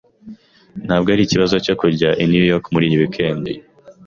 Ntabwo ari ikibazo cyo kujya i New York muri iyi weekend.